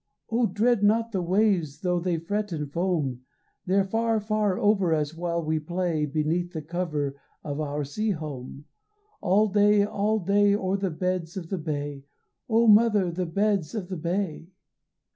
oh, dread Not the waves tho' they fret and foam; They're far, far over Us while we play Beneath the cover Of our sea home, All day, all day o'er the beds of the bay! Oh, mother, the beds of the bay!"